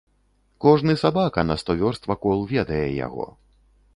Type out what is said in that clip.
Кожны сабака на сто вёрст вакол ведае яго.